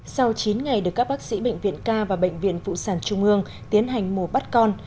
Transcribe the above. sau chín ngày được các bác sĩ bệnh viện ca và bệnh viện phụ sản trung ương tiến hành mổ bắt con